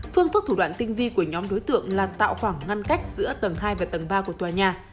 phương thức thủ đoạn tinh vi của nhóm đối tượng là tạo khoảng ngăn cách giữa tầng hai và tầng ba của tòa nhà